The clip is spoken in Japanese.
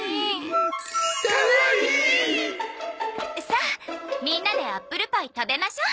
さあみんなでアップルパイ食べましょ！